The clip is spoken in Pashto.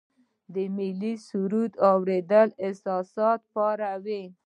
د ملي سرود اوریدل احساسات پاروي.